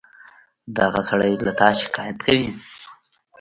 دغه سړى له تا شکايت کوي.